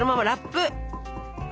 ラップ。